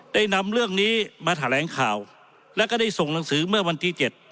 ได้นำเรื่องนี้มาแถลงข่าวแล้วก็ได้ส่งหนังสือเมื่อวันที่เจ็ด